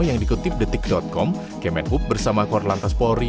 yang dikutip detik com kemen up bersama kor lantas polri